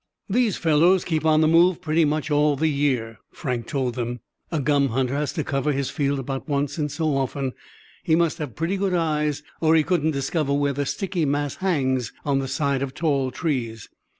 "These fellows keep on the move pretty much all the year," Frank told them. "A gum hunter has to cover his field about once in so often. He must have pretty good eyes, or he couldn't discover where the sticky mass hangs on the side of tall trees.